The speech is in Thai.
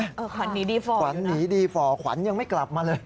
เออขวัญหนีดีฟอร์อยู่นะขวัญหนีดีฟอร์ขวัญยังไม่กลับมาเลย